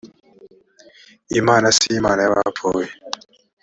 imana si imana y abapfuye